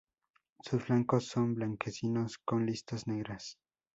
Sus flancos son blanquecinos con listas negras.